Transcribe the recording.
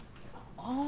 ああ